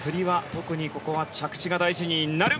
特に着地が大事になる。